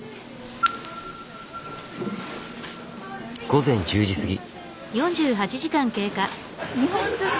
午前１０時過ぎ。